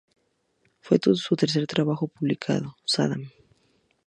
Fue el tercer trabajo que publicó Sadam.